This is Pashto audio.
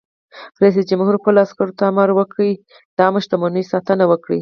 رئیس جمهور خپلو عسکرو ته امر وکړ؛ د عامه شتمنیو ساتنه وکړئ!